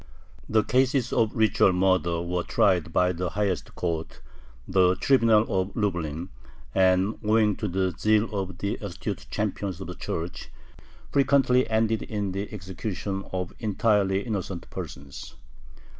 The cases of ritual murder were tried by the highest court, the Tribunal of Lublin, and, owing to the zeal of the astute champions of the Church, frequently ended in the execution of entirely innocent persons.